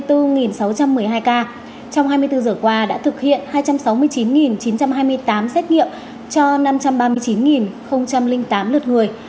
trong hai mươi bốn giờ qua đã thực hiện hai trăm sáu mươi chín chín trăm hai mươi tám xét nghiệm cho năm trăm ba mươi chín tám lượt người